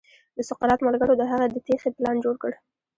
د سقراط ملګرو د هغه د تېښې پلان جوړ کړ.